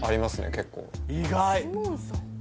結構意外！